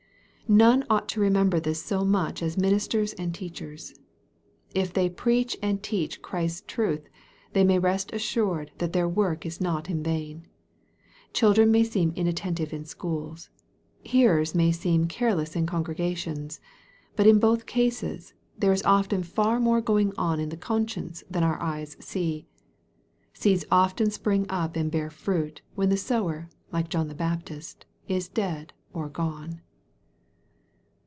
None ought to remember this so much as ministers and teachers. If they preach and teach Christ's truth, they may rest assured that their work is not in vain. Chil dren may seem inattentive in schools. Hearers may seem careless in congregrations. But in both cases there is often far more going on in the conscience than our eyes see. Seeds often spring up and bear fruit, when the sower, like John the Baptist, is dead or gone.